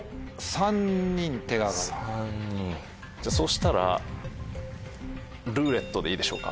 ３人じゃあそうしたら「ルーレット」でいいでしょうか？